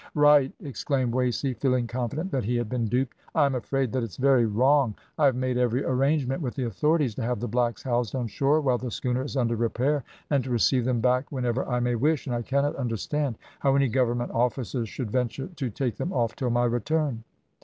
"`Right!' exclaimed Wasey, feeling confident that he had been duped, `I am afraid that it's very wrong. I have made every arrangement with the authorities to have the blacks housed on shore while the schooner is under repair, and to receive them back whenever I may wish, and I cannot understand how any Government officers should venture to take them off till my return.'